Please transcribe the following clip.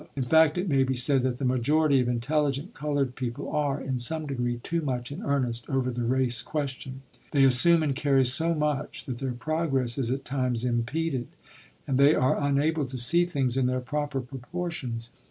In fact, it may be said that the majority of intelligent colored people are, in some degree, too much in earnest over the race question. They assume and carry so much that their progress is at times impeded and they are unable to see things in their proper proportions.